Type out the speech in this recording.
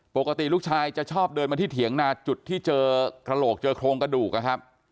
ปกติลูกชายจะชอบเดินมาที่เถียงนาจุดที่เจอกระโหลกเจอโครงกระดูกนะครับ